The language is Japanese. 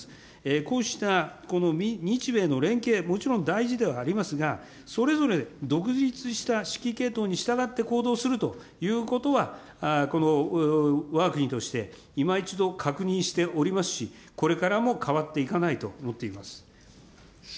こうしたこの日米の連携、もちろん大事ではありますが、それぞれ独立した指揮系統に従って行動するということは、このわが国として、今一度確認しておりますし、これからも変わっていかないと思っています。